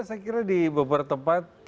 saya kira di beberapa tempat